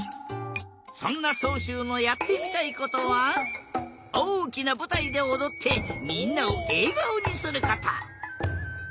そんなそうしゅうのやってみたいことはおおきなぶたいでおどってみんなをえがおにすること。